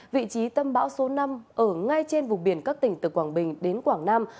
vị trí tâm bão số năm ở ngay trên vùng biển các tỉnh từ quảng bình đến quảng nam